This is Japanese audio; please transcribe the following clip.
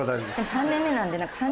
３年目なんで。